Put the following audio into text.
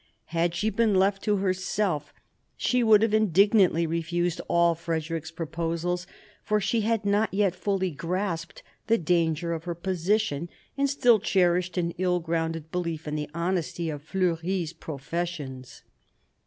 Had she been left to herself, she would have indignantly refused all Frederick's proposals; for she had not yet fully grasped the danger of her position, and still cherished an ill grounded belief in the honesty of Fleury's professions.